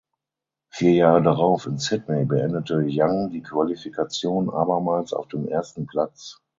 Vier Jahre darauf in Sydney beendete Yang die Qualifikation abermals auf dem ersten Platz.